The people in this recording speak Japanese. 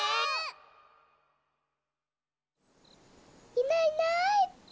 いないいない。